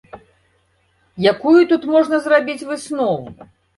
Якую тут можна зрабіць выснову?